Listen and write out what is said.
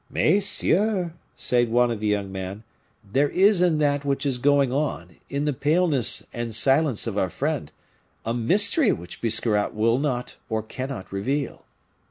"Messieurs," said one of the young men, "there is in that which is going on, in the paleness and silence of our friend, a mystery which Biscarrat will not, or cannot reveal.